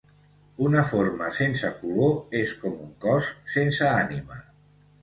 Una forma sense color és com un cos sense ànima.